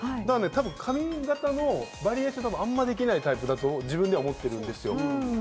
多分、髪形のバリエーションがあまりできないタイプだと自分では思ってるんですよ。